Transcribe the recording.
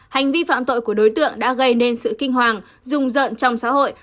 hành vi phạm tội của đối tượng đã gây nên sự kinh hoàng rùng rợn trong xã hội